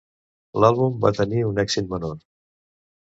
L'àlbum va tenir un èxit menor.